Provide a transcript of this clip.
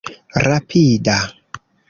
rapida